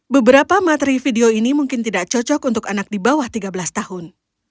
beberapa materi video ini mungkin tidak cocok untuk anak di bawah tiga belas tahun